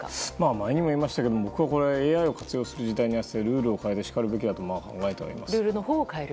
前にも言いましたがＡＩを活用する時代に合わせてルールを変えてしかるべきだと思っています。